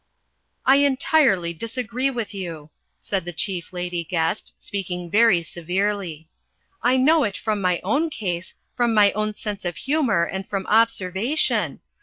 "I entirely disagree with you," said the Chief Lady Guest, speaking very severely. "I know it from my own case, from my own sense of humour and from observation.